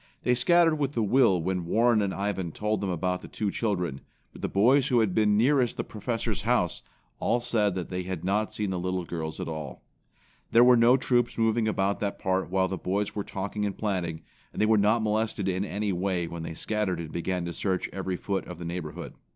They scattered with a will when Warren and Ivan told them about the two children, but the boys who had been nearest the Professor's house, all said that they had not seen the little girls at all. There were no troops moving about that part while the boys were talking and planning, and they were not molested in any way when they scattered and began to search every foot of the neighborhood.